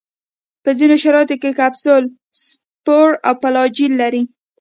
په ځینو شرایطو کې کپسول، سپور او فلاجیل لري.